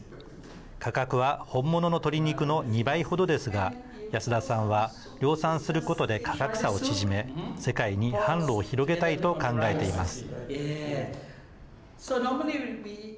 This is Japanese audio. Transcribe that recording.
価格は本物の鶏肉の２倍程ですが安田さんは量産することで価格差を縮め世界に販路を広げたいと考えています。